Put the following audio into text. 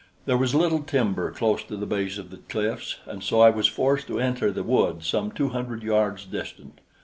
There was little timber close to the base of the cliffs, and so I was forced to enter the wood some two hundred yards distant.